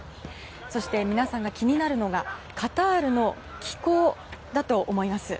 そして、皆さんが気になるのがカタールの気候だと思います。